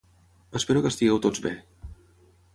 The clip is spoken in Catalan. Espero que estigueu tots bé.